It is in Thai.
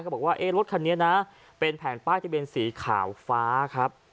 บอกว่ารถคันนี้นะเป็นแผ่นป้ายทะเบียนสีขาวฟ้าครับ